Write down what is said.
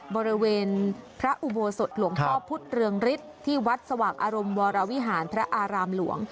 บริเวณพระอุโบสถหลวงพ่อพุทธเรืองฤทธิ์ที่วัดสว่างอารมณ์วรวิหารพระอารามหลวง